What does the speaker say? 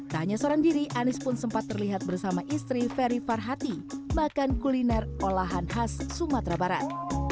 tak hanya seorang diri anies pun sempat terlihat bersama istri ferry farhati makan kuliner olahan khas sumatera barat